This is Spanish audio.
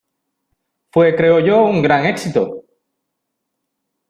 Fue, creo yo , un gran éxito.